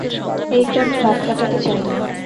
এই গ্রামে রাত কাটাতে চাই না।